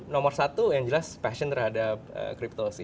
nomor satu yang jelas passion terhadap cryptocy